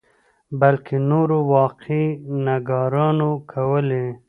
بلکې نورو واقعه نګارانو کولې.